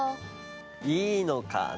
いいのかな？